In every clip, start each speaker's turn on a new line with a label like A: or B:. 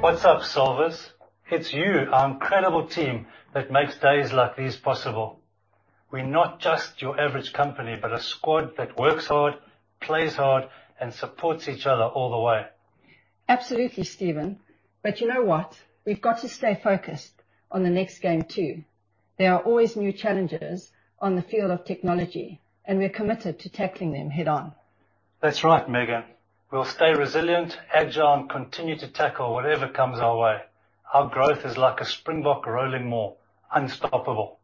A: What's up, Solvers? It's you, our incredible team, that makes days like these possible. We're not just your average company, but a squad that works hard, plays hard, and supports each other all the way.
B: Absolutely, Stephen. You know what? We've got to stay focused on the next game too. There are always new challenges on the field of technology, and we're committed to tackling them head-on.
A: That's right, Megan. We'll stay resilient, agile, and continue to tackle whatever comes our way. Our growth is like a Springbok rolling maul, unstoppable.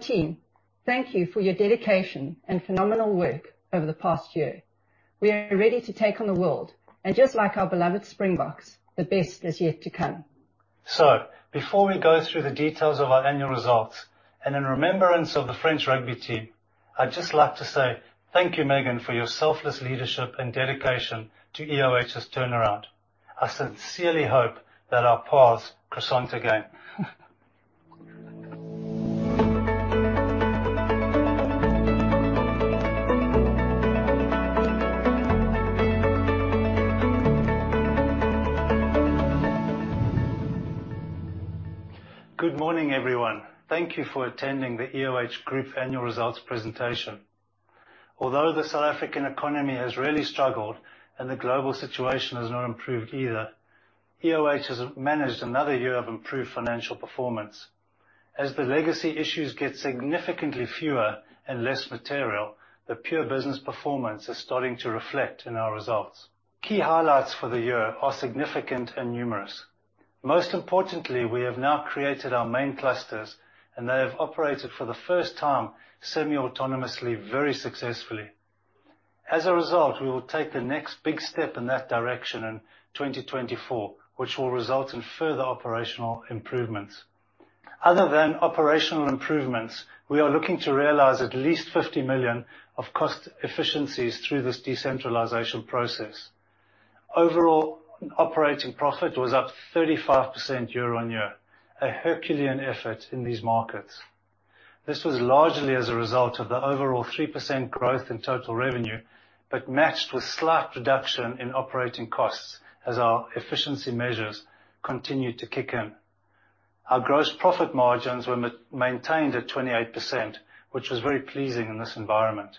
B: Team, thank you for your dedication and phenomenal work over the past year. We are ready to take on the world. Just like our beloved Springboks, the best is yet to come.
A: Before we go through the details of our annual results and in remembrance of the French rugby team, I'd just like to say thank you, Megan, for your selfless leadership and dedication to EOH's turnaround. I sincerely hope that our path cross again. Good morning, everyone. Thank you for attending the EOH Group annual results presentation. Although the South African economy has really struggled and the global situation has not improved either, EOH has managed another year of improved financial performance. As the legacy issues get significantly fewer and less material, the pure business performance is starting to reflect in our results. Key highlights for the year are significant and numerous. Most importantly, we have now created our main clusters, and they have operated for the first time semi-autonomously, very successfully. As a result, we will take the next big step in that direction in 2024, which will result in further operational improvements. Other than operational improvements, we are looking to realize at least 50 million of cost efficiencies through this decentralization process. Overall, operating profit was up 35% year-on-year, a herculean effort in these markets. This was largely as a result of the overall 3% growth in total revenue, but matched with slight reduction in operating costs as our efficiency measures continued to kick in. Our gross profit margins were maintained at 28%, which was very pleasing in this environment.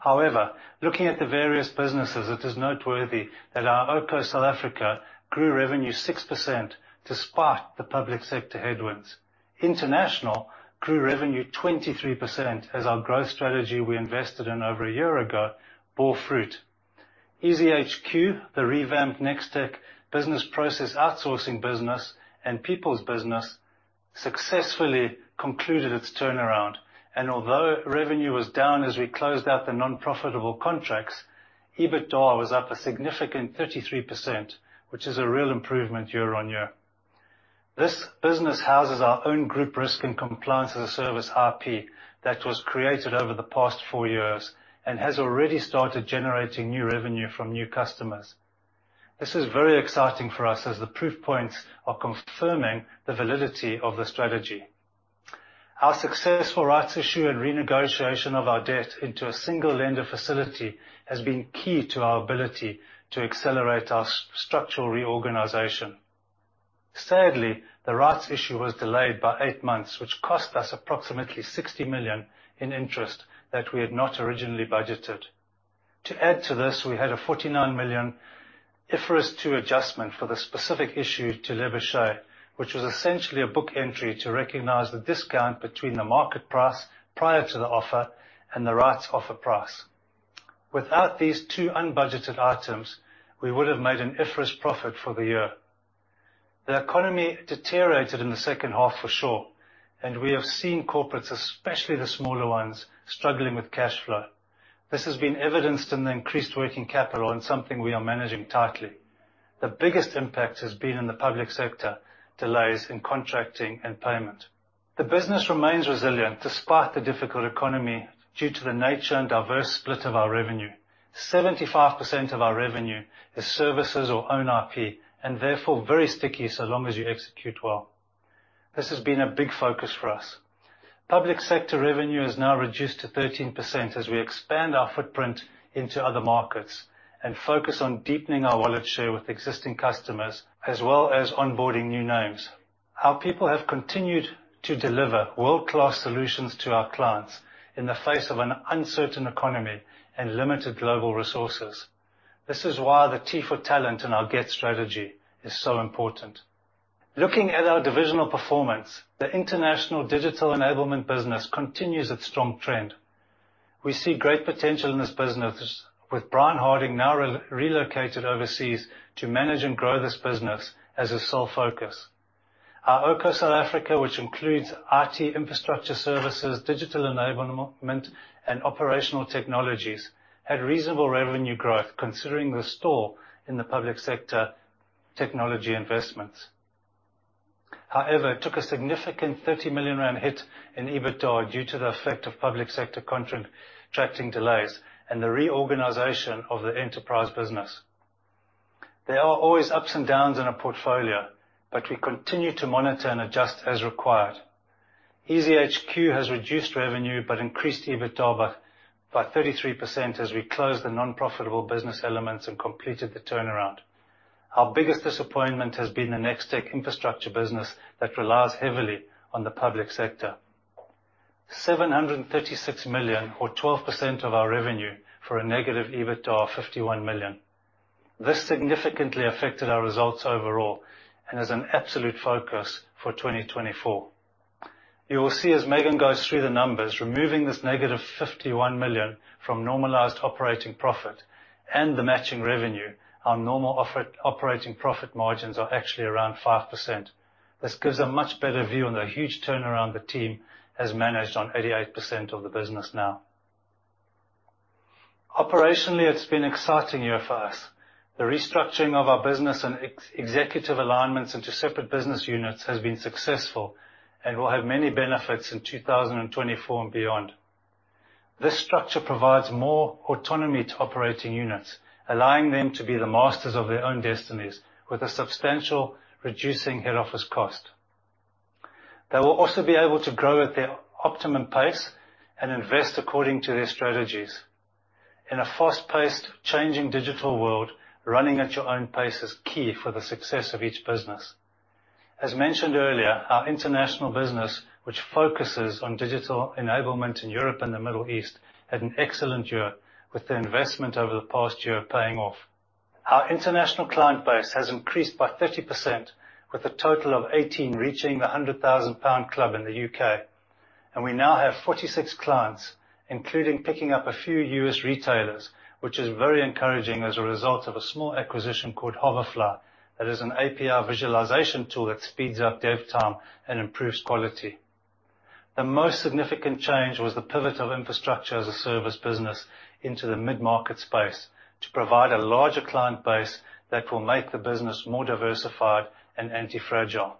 A: However, looking at the various businesses, it is noteworthy that our iOCO South Africa grew revenue 6% despite the public sector headwinds. International grew revenue 23% as our growth strategy we invested in over a year ago bore fruit. EasyHQ, the revamped Nextec business process outsourcing business and people's business successfully concluded its turnaround. Although revenue was down as we closed out the non-profitable contracts, EBITDA was up a significant 33%, which is a real improvement year-on-year. This business houses our own group risk and compliance as a service IP that was created over the past four years and has already started generating new revenue from new customers. This is very exciting for us as the proof points are confirming the validity of the strategy. Our successful rights issue and renegotiation of our debt into a single lender facility has been key to our ability to accelerate our structural reorganization. Sadly, the rights issue was delayed by eight months, which cost us approximately 60 million in interest that we had not originally budgeted. To add to this, we had a 49 million IFRS two adjustment for the specific issue to Lebashe, which was essentially a book entry to recognize the discount between the market price prior to the offer and the rights offer price. Without these two unbudgeted items, we would have made an IFRS profit for the year. The economy deteriorated in the H2 for sure, and we have seen corporates, especially the smaller ones, struggling with cash flow. This has been evidenced in the increased working capital and something we are managing tightly. The biggest impact has been in the public sector delays in contracting and payment. The business remains resilient despite the difficult economy due to the nature and diverse split of our revenue. 75% of our revenue is services or own IP, and therefore very sticky so long as you execute well. This has been a big focus for us. Public sector revenue is now reduced to 13% as we expand our footprint into other markets and focus on deepening our wallet share with existing customers as well as onboarding new names. Our people have continued to deliver world-class solutions to our clients in the face of an uncertain economy and limited global resources. This is why the T for talent in our GET strategy is so important. Looking at our divisional performance, the international digital enablement business continues its strong trend. We see great potential in this business with Brian Harding now re-relocated overseas to manage and grow this business as his sole focus. Our Ocho South Africa, which includes IT infrastructure services, digital enablement, and operational technologies, had reasonable revenue growth considering the stall in the public sector technology investments. However, it took a significant 30 million rand hit in EBITDA due to the effect of public sector contracting delays and the reorganization of the enterprise business. There are always ups and downs in a portfolio, but we continue to monitor and adjust as required. EasyHQ has reduced revenue, but increased EBITDA by 33% as we closed the non-profitable business elements and completed the turnaround. Our biggest disappointment has been the Nextec infrastructure business that relies heavily on the public sector. 736 million or 12% of our revenue for a negative EBITDA of 51 million. This significantly affected our results overall and is an absolute focus for 2024. You will see as Megan goes through the numbers, removing this negative 51 million from normalized operating profit and the matching revenue, our normal operating profit margins are actually around 5%. This gives a much better view on the huge turnaround the team has managed on 88% of the business now. Operationally, it's been an exciting year for us. The restructuring of our business and executive alignments into separate business units has been successful and will have many benefits in 2024 and beyond. This structure provides more autonomy to operating units, allowing them to be the masters of their own destinies with a substantially reducing head office cost. They will also be able to grow at their optimum pace and invest according to their strategies. In a fast-paced, changing digital world, running at your own pace is key for the success of each business. As mentioned earlier, our international business, which focuses on digital enablement in Europe and the Middle East, had an excellent year with the investment over the past year paying off. Our international client base has increased by 30% with a total of 18 reaching the 100,000 pound club in the U.K. We now have 46 clients, including picking up a few U.S. retailers, which is very encouraging as a result of a small acquisition called Hoverfly. That is an API visualization tool that speeds up dev time and improves quality. The most significant change was the pivot of infrastructure-as-a-service business into the mid-market space to provide a larger client base that will make the business more diversified and anti-fragile,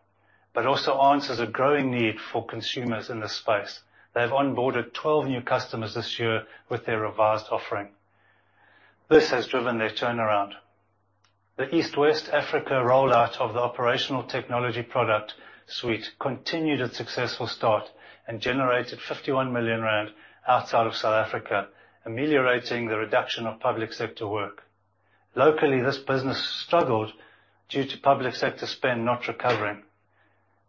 A: also answers a growing need for consumers in this space. They have onboarded 12 new customers this year with their revised offering. This has driven their turnaround. The East West Africa rollout of the operational technology product suite continued its successful start and generated 51 million rand outside of South Africa, ameliorating the reduction of public sector work. Locally, this business struggled due to public sector spend not recovering.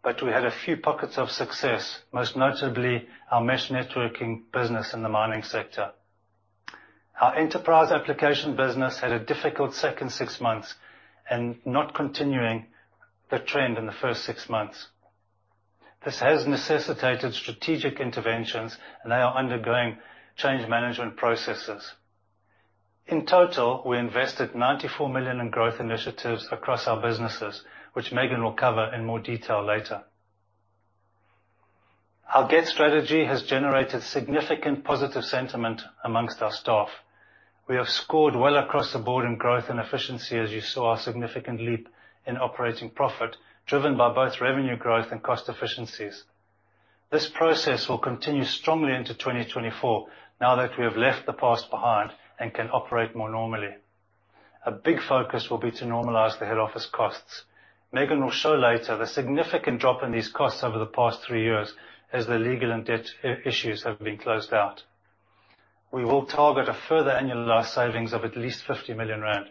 A: We had a few pockets of success, most notably our mesh networking business in the mining sector. Our enterprise application business had a difficult second six months and not continuing the trend in the first six months. This has necessitated strategic interventions, and they are undergoing change management processes. In total, we invested 94 million in growth initiatives across our businesses, which Megan will cover in more detail later. Our GET strategy has generated significant positive sentiment among our staff. We have scored well across the board in growth and efficiency, as you saw our significant leap in operating profit, driven by both revenue growth and cost efficiencies. This process will continue strongly into 2024 now that we have left the past behind and can operate more normally. A big focus will be to normalize the head office costs. Megan will show later the significant drop in these costs over the past three years as the legal and debt issues have been closed out. We will target a further annualized savings of at least 50 million rand.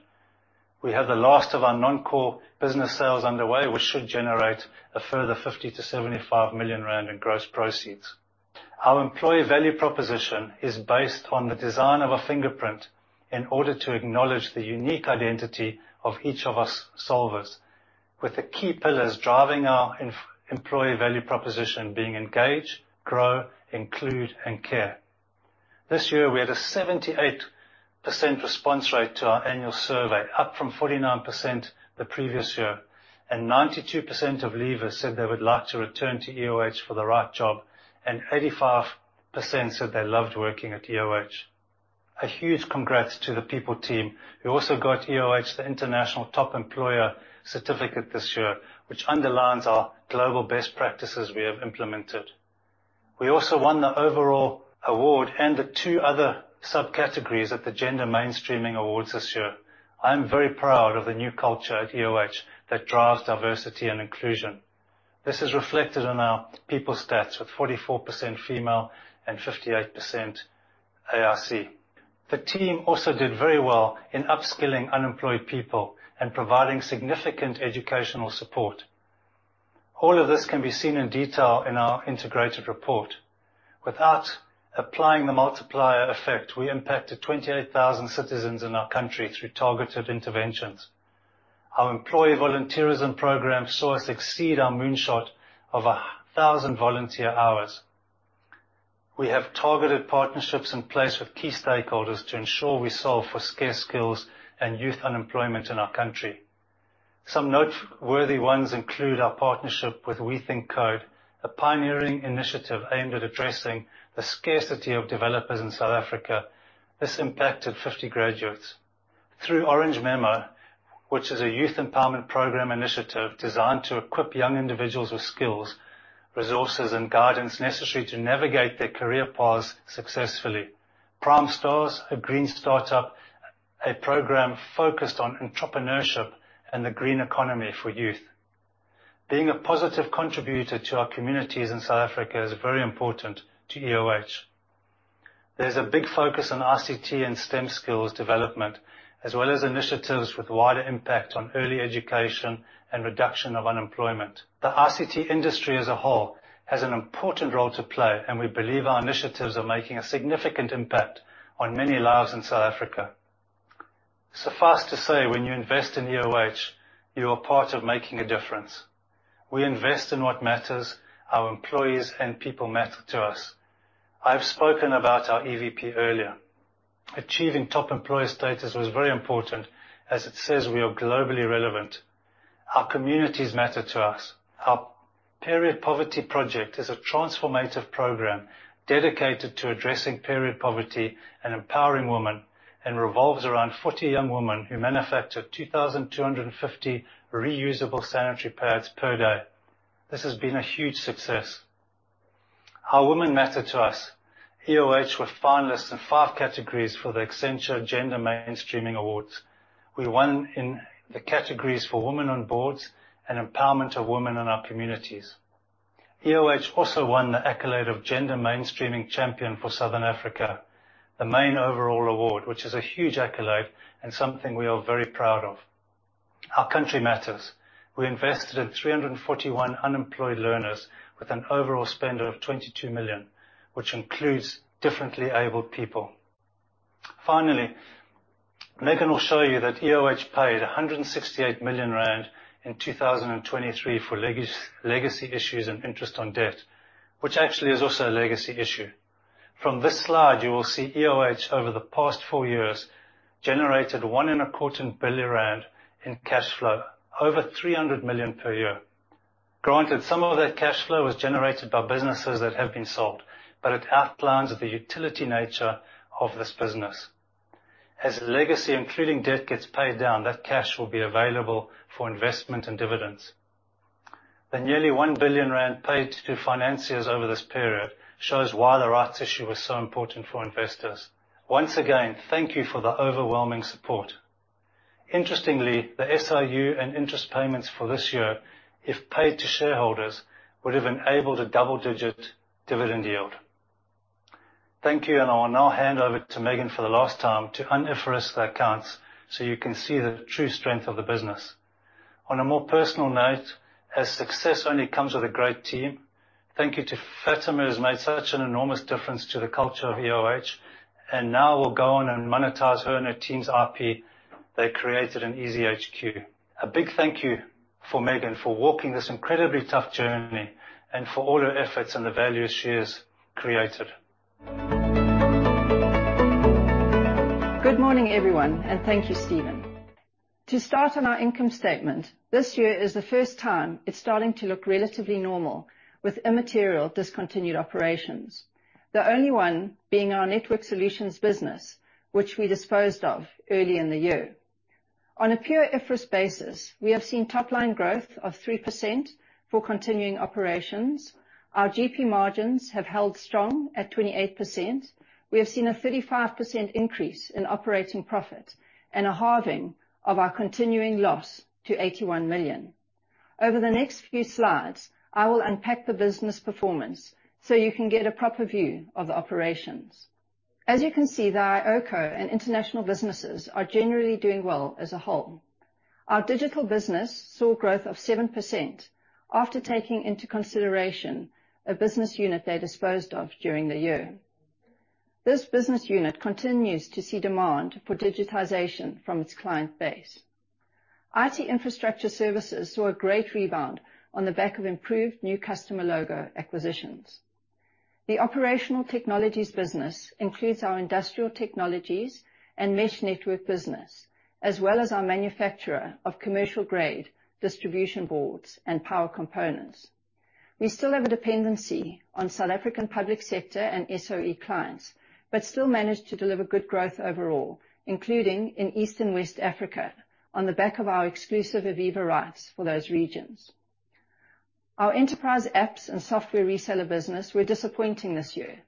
A: We have the last of our non-core business sales underway, which should generate a further 50 million-75 million rand in gross proceeds. Our employee value proposition is based on the design of a fingerprint in order to acknowledge the unique identity of each of us Solvers. With the key pillars driving our employee value proposition being engage, grow, include, and care. This year, we had a 78% response rate to our annual survey, up from 49% the previous year. 92% of leavers said they would like to return to EOH for the right job. 85% said they loved working at EOH. A huge congrats to the people team, who also got EOH the International Top Employer certificate this year, which underlines our global best practices we have implemented. We also won the overall award and the two other subcategories at the Gender Mainstreaming Awards this year. I am very proud of the new culture at EOH that drives diversity and inclusion. This is reflected in our people stats with 44% female and 58% AIC. The team also did very well in upskilling unemployed people and providing significant educational support. All of this can be seen in detail in our integrated report. Without applying the multiplier effect, we impacted 28,000 citizens in our country through targeted interventions. Our employee volunteerism program saw us exceed our moonshot of 1,000 volunteer hours. We have targeted partnerships in place with key stakeholders to ensure we solve for scarce skills and youth unemployment in our country. Some noteworthy ones include our partnership with WeThinkCode, a pioneering initiative aimed at addressing the scarcity of developers in South Africa. This impacted 50 graduates. Through Orange Memo, which is a youth empowerment program initiative designed to equip young individuals with skills, resources, and guidance necessary to navigate their career paths successfully. Primestars, a green startup program focused on entrepreneurship and the green economy for youth. Being a positive contributor to our communities in South Africa is very important to EOH. There's a big focus on ICT and STEM skills development, as well as initiatives with wider impact on early education and reduction of unemployment. The ICT industry as a whole has an important role to play, and we believe our initiatives are making a significant impact on many lives in South Africa. Suffice to say, when you invest in EOH, you are part of making a difference. We invest in what matters. Our employees and people matter to us. I have spoken about our EVP earlier. Achieving Top Employer status was very important as it says we are globally relevant. Our communities matter to us. Our Period Poverty project is a transformative program dedicated to addressing period poverty and empowering women, and revolves around 40 young women who manufacture 2,250 reusable sanitary pads per day. This has been a huge success. Our women matter to us. EOH were finalists in five categories for the Accenture Gender Mainstreaming Awards. We won in the categories for women on boards and empowerment of women in our communities. EOH also won the accolade of Gender Mainstreaming Champion for Southern Africa, the main overall award, which is a huge accolade and something we are very proud of. Our country matters. We invested in 341 unemployed learners with an overall spend of 22 million, which includes differently abled people. Finally, Megan will show you that EOH paid 168 million rand in 2023 for legacy issues and interest on debt, which actually is also a legacy issue. From this slide, you will see EOH over the past four years generated 1.25 billion rand in cash flow, over 300 million per year. Granted, some of that cash flow was generated by businesses that have been sold, but it outlines the utility nature of this business. As legacy, including debt, gets paid down, that cash will be available for investment and dividends. The nearly 1 billion rand paid to financiers over this period shows why the rights issue was so important for investors. Once again, thank you for the overwhelming support. Interestingly, the SIU and interest payments for this year, if paid to shareholders, would have enabled a double-digit dividend yield. Thank you, and I will now hand over to Megan for the last time to un-IFRS the accounts, so you can see the true strength of the business. On a more personal note, as success only comes with a great team, thank you to Fatima, who has made such an enormous difference to the culture of EOH, and now will go on and monetize her and her team's IP they created in EasyHQ. A big thank you for Megan for walking this incredibly tough journey and for all her efforts and the value she has created.
B: Good morning, everyone, and thank you, Stephen. To start on our income statement, this year is the first time it's starting to look relatively normal with immaterial discontinued operations. The only one being our network solutions business, which we disposed of early in the year. On a pure IFRS basis, we have seen top-line growth of 3% for continuing operations. Our GP margins have held strong at 28%. We have seen a 35% increase in operating profit and a halving of our continuing loss to 81 million. Over the next few slides, I will unpack the business performance so you can get a proper view of the operations. As you can see, the iOCO and international businesses are generally doing well as a whole. Our digital business saw growth of 7% after taking into consideration a business unit they disposed of during the year. This business unit continues to see demand for digitization from its client base. IT infrastructure services saw a great rebound on the back of improved new customer logo acquisitions. The operational technologies business includes our industrial technologies and mesh network business, as well as our manufacturer of commercial grade distribution boards and power components. We still have a dependency on South African public sector and SOE clients, but still managed to deliver good growth overall, including in East and West Africa on the back of our exclusive AVEVA rights for those regions. Our enterprise apps and software reseller business were disappointing this year.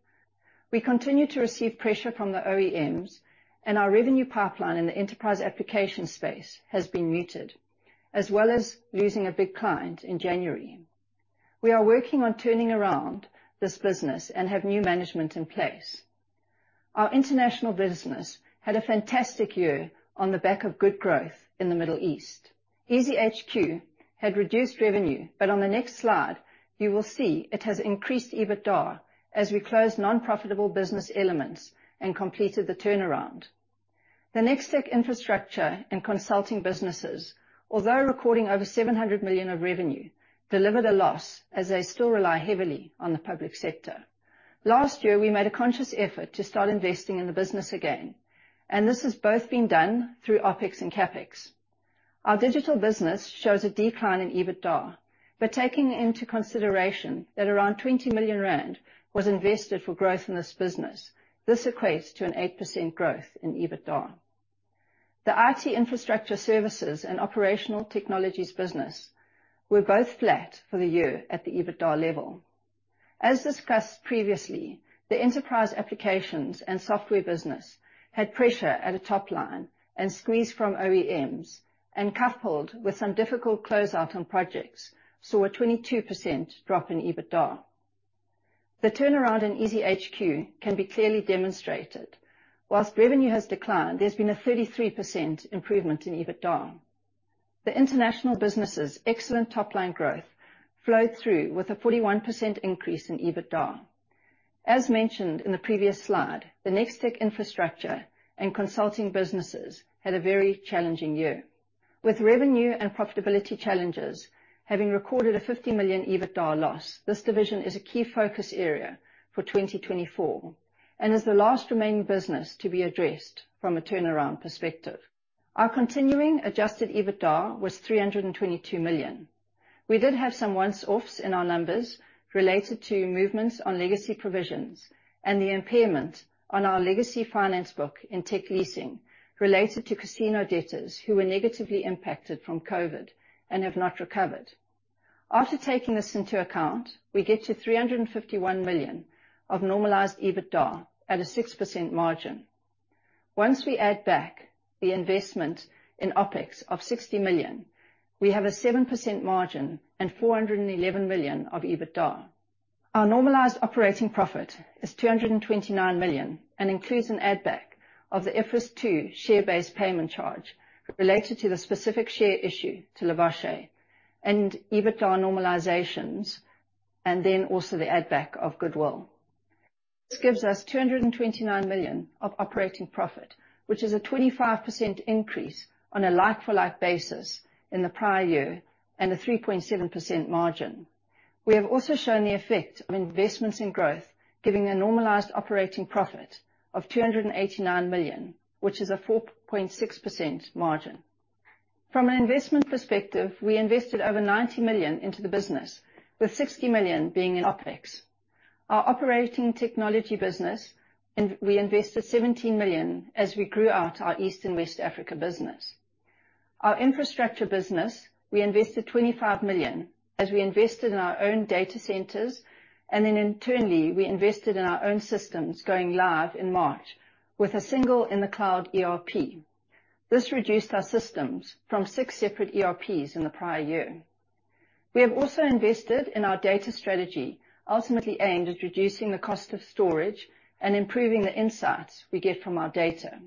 B: We continue to receive pressure from the OEMs, and our revenue pipeline in the enterprise application space has been muted, as well as losing a big client in January. We are working on turning around this business and have new management in place. Our international business had a fantastic year on the back of good growth in the Middle East. EasyHQ had reduced revenue, but on the next slide, you will see it has increased EBITDA as we closed non-profitable business elements and completed the turnaround. The Nextec infrastructure and consulting businesses, although recording over 700 million of revenue, delivered a loss as they still rely heavily on the public sector. Last year, we made a conscious effort to start investing in the business again, and this has both been done through OpEx and CapEx. Our digital business shows a decline in EBITDA, but taking into consideration that around 20 million rand was invested for growth in this business, this equates to an 8% growth in EBITDA. The IT infrastructure, services, and operational technologies business were both flat for the year at the EBITDA level. As discussed previously, the enterprise applications and software business had pressure at a top line and squeeze from OEMs and coupled with some difficult closeout on projects, saw a 22% drop in EBITDA. The turnaround in EasyHQ can be clearly demonstrated. While revenue has declined, there's been a 33% improvement in EBITDA. The international business' excellent top-line growth flowed through with a 41% increase in EBITDA. As mentioned in the previous slide, the Nextec infrastructure and consulting businesses had a very challenging year. With revenue and profitability challenges, having recorded a 50 million EBITDA loss, this division is a key focus area for 2024 and is the last remaining business to be addressed from a turnaround perspective. Our continuing adjusted EBITDA was 322 million. We did have some once-offs in our numbers related to movements on legacy provisions and the impairment on our legacy finance book in tech leasing related to casino debtors who were negatively impacted from COVID and have not recovered. After taking this into account, we get to 351 million of normalized EBITDA at a 6% margin. Once we add back the investment in OpEx of 60 million, we have a 7% margin and 411 million of EBITDA. Our normalized operating profit is 229 million, and includes an add back of the IFRS two share-based payment charge related to the specific share issue to Lebashe and EBITDA normalizations, and then also the add back of goodwill. This gives us 229 million of operating profit, which is a 25% increase on a like-for-like basis in the prior year and a 3.7% margin. We have also shown the effect of investments in growth, giving a normalized operating profit of 289 million, which is a 4.6% margin. From an investment perspective, we invested over 90 million into the business, with 60 million being in OpEx for our operating technology business and we invested 17 million as we grew out our East and West Africa business. Our infrastructure business, we invested 25 million as we invested in our own data centers, and then internally, we invested in our own systems going live in March with a single in the cloud ERP. This reduced our systems from 6 separate ERPs in the prior year. We have also invested in our data strategy, ultimately aimed at reducing the cost of storage and improving the insights we get from our data.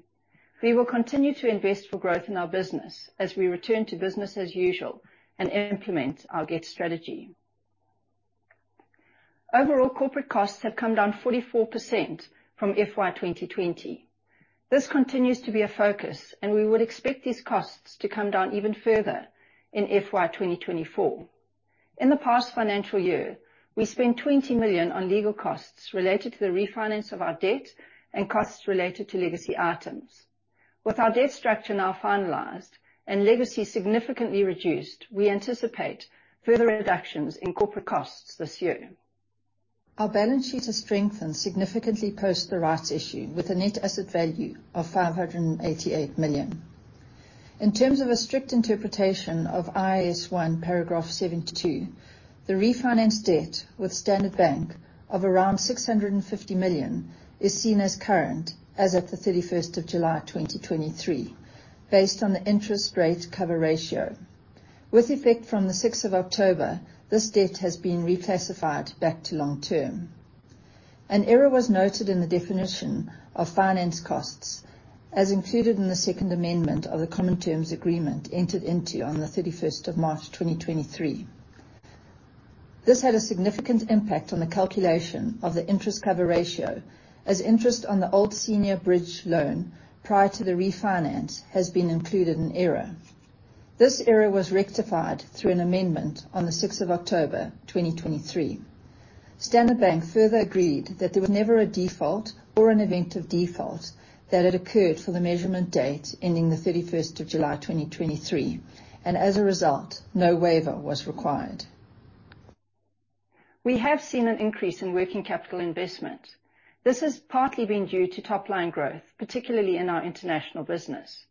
B: We will continue to invest for growth in our business as we return to business as usual and implement our GET strategy. Overall, corporate costs have come down 44% from FY 2020. This continues to be a focus, and we would expect these costs to come down even further in FY 2024. In the past financial year, we spent 20 million on legal costs related to the refinance of our debt and costs related to legacy items. With our debt structure now finalized and legacy significantly reduced, we anticipate further reductions in corporate costs this year. Our balance sheet has strengthened significantly post the rights issue with a net asset value of 588 million. In terms of a strict interpretation of IAS one Paragraph 72, the refinance debt with Standard Bank of around 650 million is seen as current as at the July 31st, 2023, based on the interest cover ratio. With effect from the October 6th, 2023 this debt has been reclassified back to long term. An error was noted in the definition of finance costs, as included in the second amendment of the common terms agreement entered into on the March 31st, 2023. This had a significant impact on the calculation of the interest cover ratio, as interest on the old senior bridge loan prior to the refinance has been included in error. This error was rectified through an amendment on the October 6th, 2023. Standard Bank further agreed that there was never a default or an event of default that had occurred for the measurement date ending July 31, 2023, and as a result, no waiver was required. We have seen an increase in working capital investment. This has partly been due to top-line growth, particularly in our international business.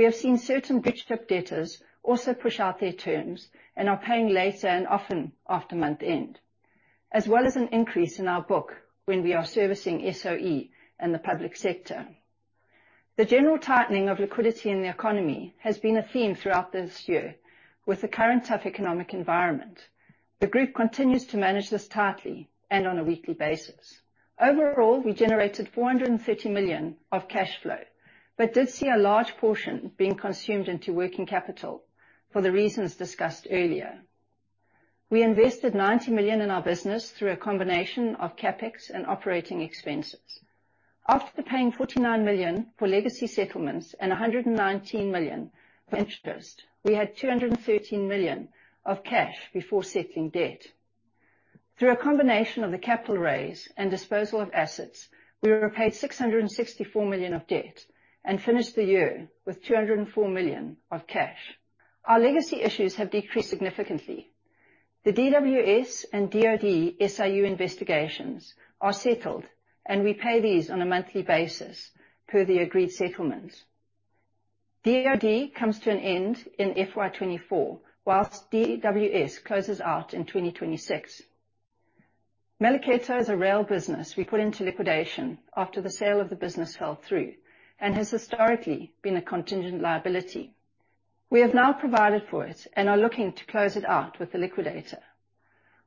B: We have seen certain bridge type debtors also push out their terms and are paying later and often after month end, as well as an increase in our book when we are servicing SOE in the public sector. The general tightening of liquidity in the economy has been a theme throughout this year with the current tough economic environment. The group continues to manage this tightly and on a weekly basis. Overall, we generated 430 million of cash flow, but did see a large portion being consumed into working capital for the reasons discussed earlier. We invested 90 million in our business through a combination of CapEx and operating expenses. After paying 49 million for legacy settlements and 119 million for interest, we had 213 million of cash before settling debt. Through a combination of the capital raise and disposal of assets, we repaid 664 million of debt and finished the year with 204 million of cash. Our legacy issues have decreased significantly. The DWS and DOD SIU investigations are settled, and we pay these on a monthly basis per the agreed settlements. DOD comes to an end in FY 2024, while DWS closes out in 2026. Meliortec is a rail business we put into liquidation after the sale of the business fell through and has historically been a contingent liability. We have now provided for it and are looking to close it out with the liquidator.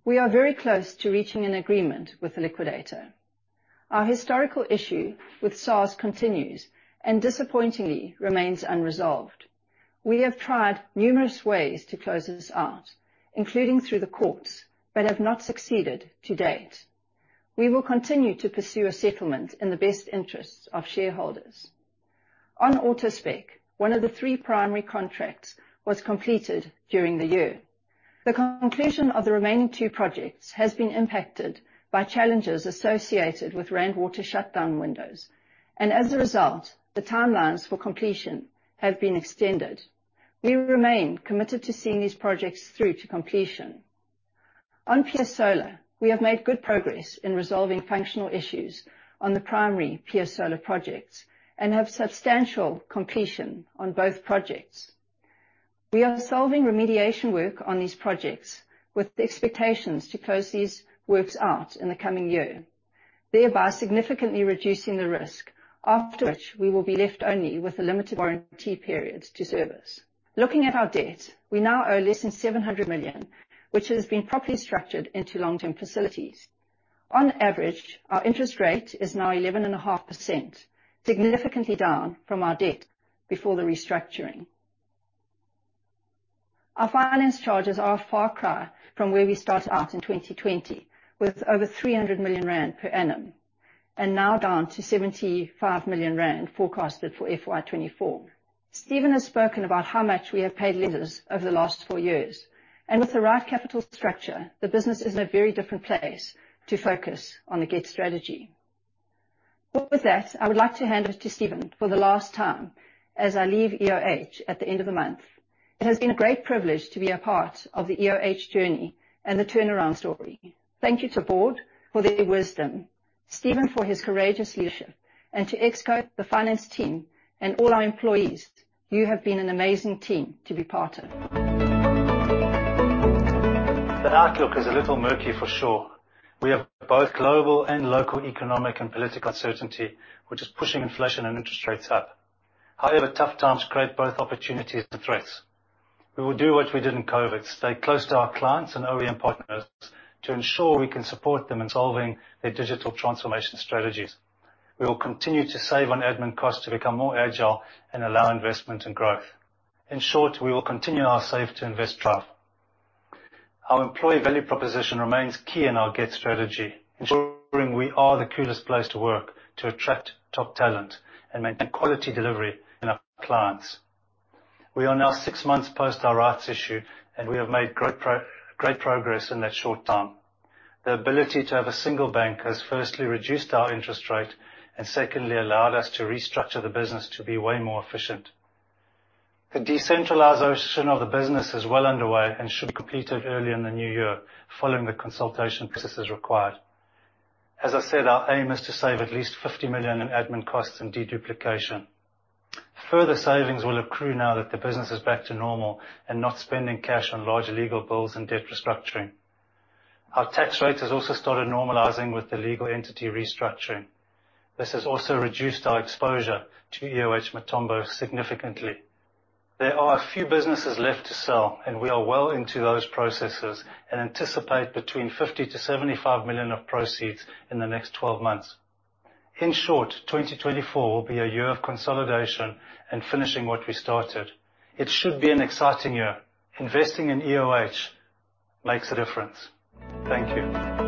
B: We are very close to reaching an agreement with the liquidator. Our historical issue with SARS continues and disappointingly remains unresolved. We have tried numerous ways to close this out, including through the courts, but have not succeeded to date. We will continue to pursue a settlement in the best interests of shareholders. On Autospec, one of the three primary contracts was completed during the year. The conclusion of the remaining two projects has been impacted by challenges associated with Rand Water shutdown windows, and as a result, the timelines for completion have been extended. We remain committed to seeing these projects through to completion. On Pia Solar, we have made good progress in resolving functional issues on the primary Pia Solar projects and have substantial completion on both projects. We are solving remediation work on these projects with the expectations to close these works out in the coming year, thereby significantly reducing the risk, after which we will be left only with a limited warranty period to service. Looking at our debt, we now owe less than 700 million, which has been properly structured into long-term facilities. On average, our interest rate is now 11.5%, significantly down from our debt before the restructuring. Our finance charges are a far cry from where we started out in 2020, with over 300 million rand per annum and now down to 75 million rand forecasted for FY 2024. Stephen has spoken about how much we have paid lenders over the last four years, and with the right capital structure, the business is in a very different place to focus on the GET strategy. Well, with that, I would like to hand it to Stephen for the last time as I leave EOH at the end of the month. It has been a great privilege to be a part of the EOH journey and the turnaround story. Thank you to board for their wisdom, Stephen for his courageous leadership, and to Exco, the finance team, and all our employees. You have been an amazing team to be part of.
A: The outlook is a little murky for sure. We have both global and local economic and political uncertainty, which is pushing inflation and interest rates up. However, tough times create both opportunities and threats. We will do what we did in COVID, stay close to our clients and OEM partners to ensure we can support them in solving their digital transformation strategies. We will continue to save on admin costs to become more agile and allow investment and growth. In short, we will continue our safe to invest trial. Our employee value proposition remains key in our GET strategy, ensuring we are the coolest place to work, to attract top talent, and maintain quality delivery to our clients. We are now six months post our rights issue, and we have made great progress in that short time. The ability to have a single bank has firstly reduced our interest rate and secondly allowed us to restructure the business to be way more efficient. The decentralization of the business is well underway and should be completed early in the new year following the consultation processes required. As I said, our aim is to save at least 50 million in admin costs and deduplication. Further savings will accrue now that the business is back to normal and not spending cash on large legal bills and debt restructuring. Our tax rate has also started normalizing with the legal entity restructuring. This has also reduced our exposure to EOH Mthombo significantly. There are a few businesses left to sell, and we are well into those processes and anticipate between 50 million-75 million of proceeds in the next 12 months. In short, 2024 will be a year of consolidation and finishing what we started. It should be an exciting year. Investing in EOH makes a difference. Thank you.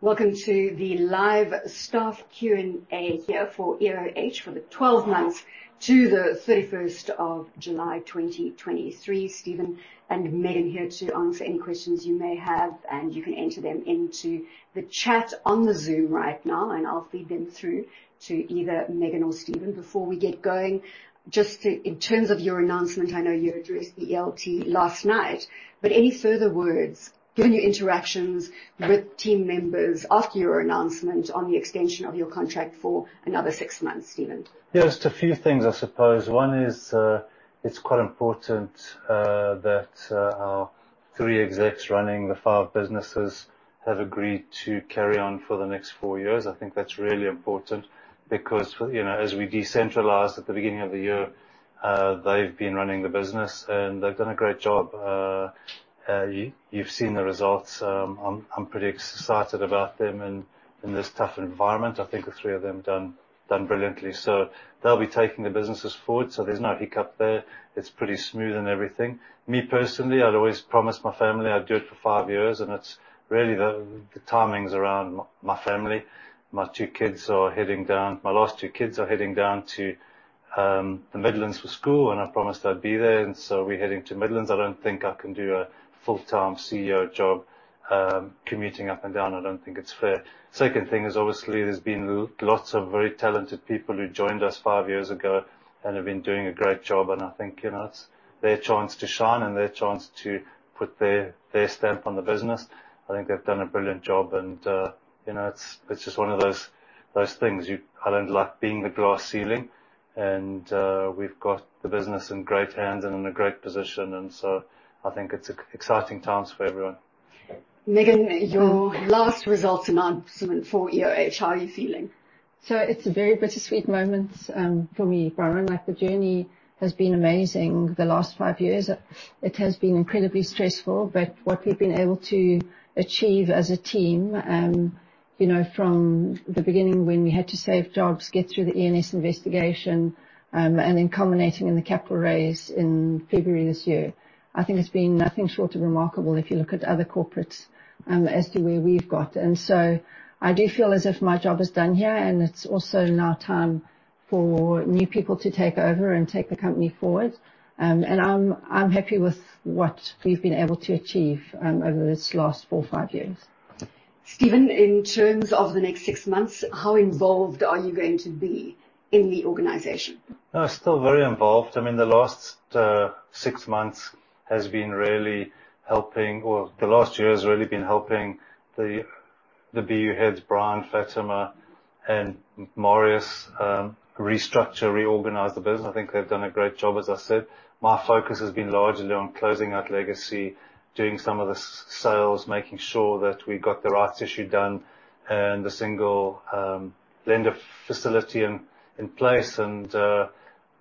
C: Welcome to the live staff Q&A here for EOH for the 12 months to the 31st of July 2023. Stephen and Megan here to answer any questions you may have, and you can enter them into the chat on the Zoom right now, and I'll feed them through to either Megan or Stephen. Before we get going, in terms of your announcement, I know you addressed the ELT last night, but any further words, given your interactions with team members after your announcement on the extension of your contract for another six months, Stephen?
A: Yeah, just a few things, I suppose. One is, it's quite important that our three execs running the five businesses have agreed to carry on for the next four years. I think that's really important because, you know, as we decentralized at the beginning of the year, they've been running the business, and they've done a great job. You've seen the results. I'm pretty excited about them in this tough environment. I think the three of them done brilliantly. They'll be taking the businesses forward. There's no hiccup there. It's pretty smooth and everything. Me personally, I'd always promised my family I'd do it for five years, and it's really the timing around my family. My two kids are heading down. My last two kids are heading down to the Midlands for school, and I promised I'd be there, and so we're heading to the Midlands. I don't think I can do a full-time CEO job, commuting up and down. I don't think it's fair. Second thing is, obviously, there's been lots of very talented people who joined us five years ago and have been doing a great job, and I think, you know, it's their chance to shine and their chance to put their stamp on the business. I think they've done a brilliant job and, you know, it's just one of those things. I don't like being the glass ceiling and, we've got the business in great hands and in a great position, and so I think it's exciting times for everyone.
C: Megan, your last results announcement for EOH, how are you feeling?
B: It's a very bittersweet moment for me, Byron. Like, the journey has been amazing the last five years. It has been incredibly stressful. But what we've been able to achieve as a team, you know, from the beginning when we had to save jobs, get through the ENSafrica investigation, and then culminating in the capital raise in February this year. I think it's been nothing short of remarkable if you look at other corporates, as to where we've got. I do feel as if my job is done here, and it's also now time for new people to take over and take the company forward. I'm happy with what we've been able to achieve over this last four, five years.
C: Stephen, in terms of the next six months, how involved are you going to be in the organization?
A: I'm still very involved. I mean, the last year has really been helping the BU heads, Brian, Fatima, and Marius restructure, reorganize the business. I think they've done a great job, as I said. My focus has been largely on closing out legacy, doing some of the sales, making sure that we got the rights issue done and the single lender facility in place and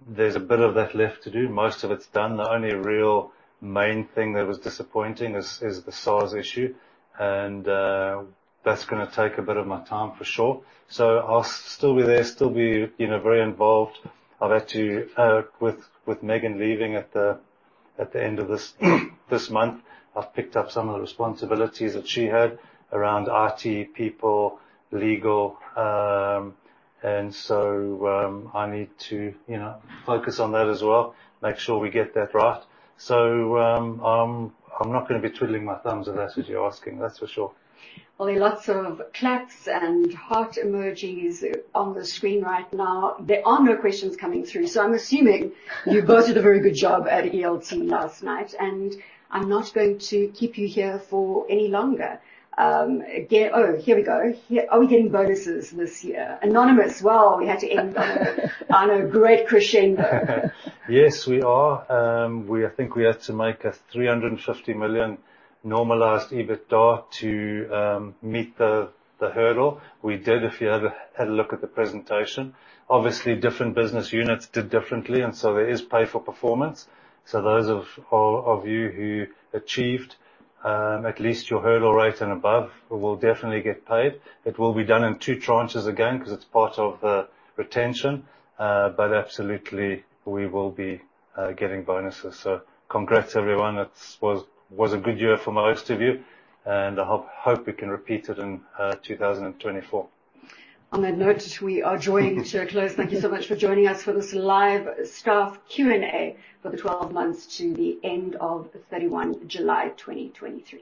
A: there's a bit of that left to do. Most of it's done. The only real main thing that was disappointing is the SARS issue, and that's gonna take a bit of my time for sure. I'll still be there, still be, you know, very involved. I've had to with Megan leaving at the end of this month, I've picked up some of the responsibilities that she had around IT, people, legal, and so I need to you know focus on that as well, make sure we get that right. I'm not gonna be twiddling my thumbs if that's what you're asking, that's for sure.
C: Well, there are lots of claps and heart emojis on the screen right now. There are no questions coming through, so I'm assuming you both did a very good job at ELT last night, and I'm not going to keep you here for any longer. Oh, here we go. Here. Are we getting bonuses this year? Anonymous. Wow, we had to end on a great crescendo.
A: Yes, we are. I think we had to make 350 million normalized EBITDA to meet the hurdle. We did, if you had a look at the presentation. Obviously, different business units did differently, and there is pay for performance. Those of you who achieved at least your hurdle rate and above will definitely get paid. It will be done in two tranches again, 'cause it's part of the retention. But absolutely we will be getting bonuses. Congrats, everyone. It was a good year for most of you, and I hope we can repeat it in 2024.
C: On that note, we are drawing to a close. Thank you so much for joining us for this live staff Q&A for the 12 months to the end of 31 July 2023.